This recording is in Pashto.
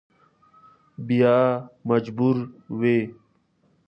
بیا مجبور وي.